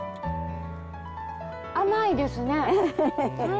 甘いですね。